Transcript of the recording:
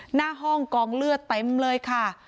หน้าห้องกองเลือดเต็มเลยค่ะ